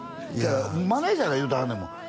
マネージャーが言うてはるねんもん